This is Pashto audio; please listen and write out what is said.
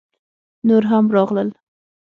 _نور هم راغلل!